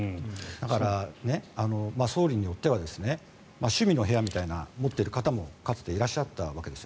だから、総理によっては趣味の部屋みたいなのを持っている方もかつていらっしゃったわけです。